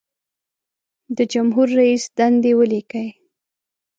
د جمهور رئیس دندې ولیکئ.